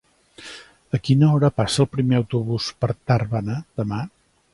A quina hora passa el primer autobús per Tàrbena demà?